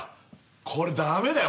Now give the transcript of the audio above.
これダメだよ